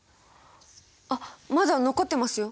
あっまだ残ってますよ！